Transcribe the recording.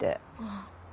ああ。